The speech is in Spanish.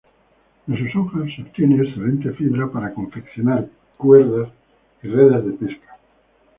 De sus hojas se obtiene excelente fibra para confeccionar cuerdas y redes de pesca.